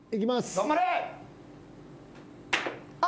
頑張れ！